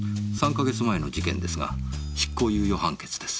３か月前の事件ですが執行猶予判決です。